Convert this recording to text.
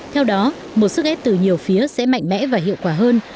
theo đó một sức ép từ nhiều phía sẽ mạnh mẽ và hiệu quả hơn